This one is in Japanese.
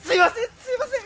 すいません！